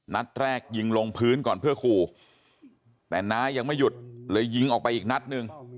นัดแรกยิงลงพื้นก่อนเพื่อขู่แต่น้ายังไม่หยุดเลยยิงออกไปอีกนัดหนึ่ง